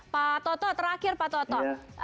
pak toto terakhir pak toto